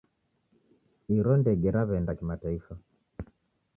Iro ndege raweenda kimataifa.